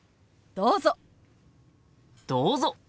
どうぞ！